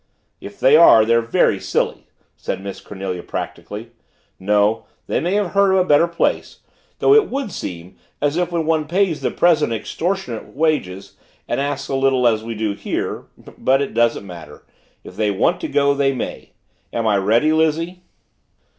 "If they are they're very silly," said Miss Cornelia practically. "No, they may have heard of a better place, though it would seem as if when one pays the present extortionate wages and asks as little as we do here but it doesn't matter. If they want to go, they may. Am I ready, Lizzie?"